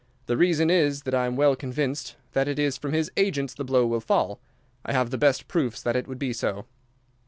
the reason is that I am well convinced that it is from his agents the blow will fall. I have the best proofs that it would be so."